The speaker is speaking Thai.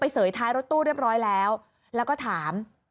เสยท้ายรถตู้เรียบร้อยแล้วแล้วก็ถาม